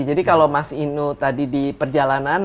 jadi kalau mas inu tadi di perjalanan